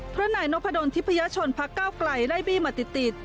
เพราะนายนพดลทิพยชนพักเก้าไกลไล่บี้มาติด